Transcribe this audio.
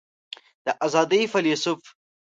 د آزادۍ فیلیسوف